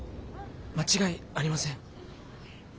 間違いありません。